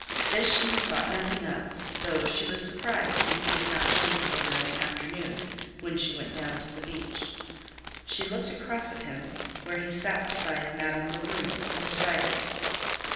This she had thought nothing of, though she was surprised when he did not join her later in the afternoon, when she went down to the beach. She looked across at him, where he sat beside Madame Lebrun, who presided.